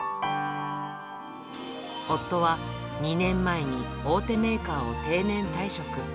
夫は２年前に大手メーカーを定年退職。